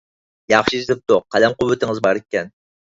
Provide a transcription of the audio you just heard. ياخشى يېزىلىپتۇ، قەلەم قۇۋۋىتىڭىز باركەن.